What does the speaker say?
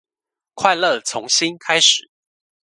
快樂從心開始